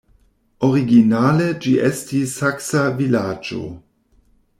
Originale ĝi estis saksa vilaĝo.